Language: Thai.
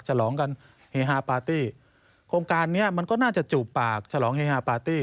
ฉลองกันเฮฮาปาร์ตี้โครงการนี้มันก็น่าจะจูบปากฉลองเฮฮาปาร์ตี้